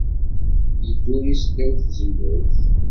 Yedduri seddaw tzemmurt.